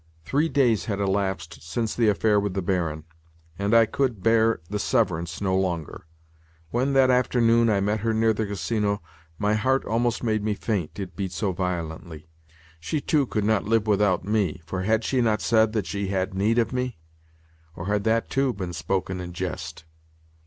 Three days had elapsed since the affair with the Baron, and I could bear the severance no longer. When, that afternoon, I met her near the Casino, my heart almost made me faint, it beat so violently. She too could not live without me, for had she not said that she had need of me? Or had that too been spoken in jest?